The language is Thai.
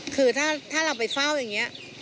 คือถ้าเราไปเฝ้าอย่างนี้